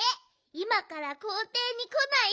いまからこうていにこない？